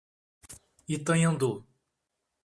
Itanhandu